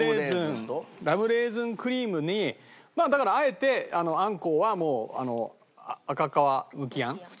ラムレーズンクリームにまあだからあえてあんこはもう赤皮むきあん。